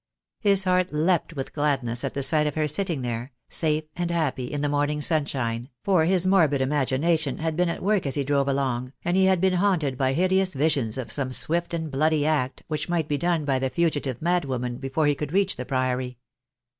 His heart leapt with gladness at the sight of her sitting there, safe and happy, in the morning sunshine, for his morbid imagination had been at work as he drove along, and he had been haunted by hideous visions of some swift and bloody act which might be done by the fugitive mad woman before he could reach the Priory.